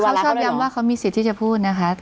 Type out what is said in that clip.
เขาชอบย้ำว่าเขามีสิทธิ์ที่จะพูดนะคะ